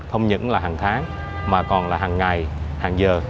không những là hàng tháng mà còn là hàng ngày hàng giờ